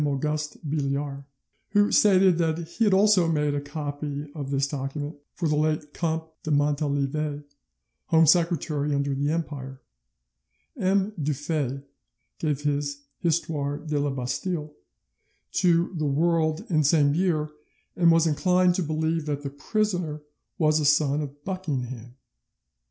Auguste Billiard, who stated that he had also made a copy of this document for the late Comte de Montalivet, Home Secretary under the Empire. M. Dufey (de l'Yonne) gave his 'Histoire de la Bastille' to the world in the same year, and was inclined to believe that the prisoner was a son of Buckingham.